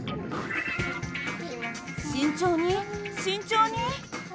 慎重に慎重に。